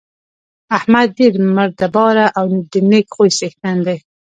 احمد ډېر بردباره او د نېک خوی څېښتن دی.